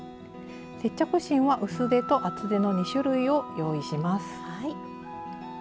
接着芯は薄手と厚手の２種類を用意します。